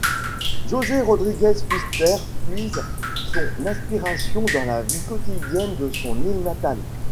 José Rodríguez Fuster puise son inspiration dans la vie quotidienne de son île natale.